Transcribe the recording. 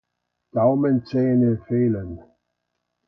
Gaumenzähne fehlen.